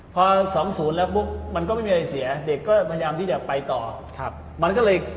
พอ๒๐แล้วมันก็ไม่มีอะไรเสียเด็กก็พยายามทีเดียวไปต่อ